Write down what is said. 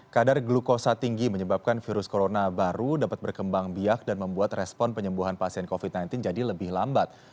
kadar glukosa tinggi menyebabkan virus corona baru dapat berkembang biak dan membuat respon penyembuhan pasien covid sembilan belas jadi lebih lambat